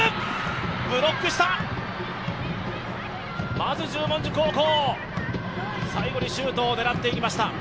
まず十文字高校、最後にシュートを狙ってきました。